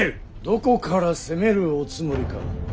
どこから攻めるおつもりか。